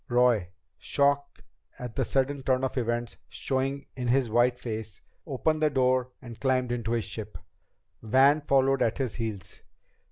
Roy, shock at the sudden turn of events showing in his white face, opened the door and climbed into the ship. Van followed at his heels.